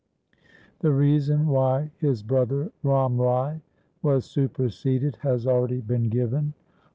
The reason why his brother Ram Rai was superseded has already been given.